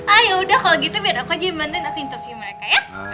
ah yaudah kalo gitu biar aku aja yang bantuin aku interview mereka ya